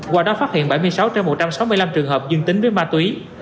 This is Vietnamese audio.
qua đó phát hiện bảy mươi sáu trên một trăm sáu mươi năm trường hợp dương tính với ma túy